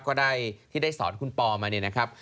ก็ได้ที่ได้สอนคุณปอมาเนี่ยนะครับ